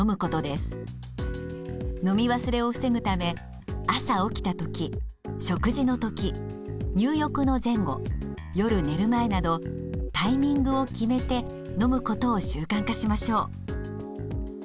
飲み忘れを防ぐため朝起きた時食事の時入浴の前後夜寝る前などタイミングを決めて飲むことを習慣化しましょう。